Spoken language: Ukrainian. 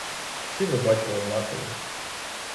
Всі ви, бачу, однакові.